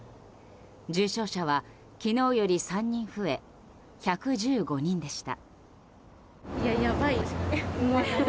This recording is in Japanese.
重症者は昨日より３人増え１１５人でした。